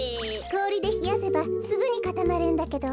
こおりでひやせばすぐにかたまるんだけど。